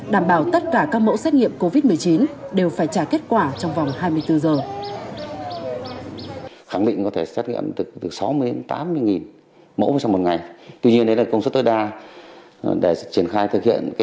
đảm bảo tất cả các mẫu xét nghiệm covid một mươi chín đều phải trả kết quả trong vòng hai mươi bốn giờ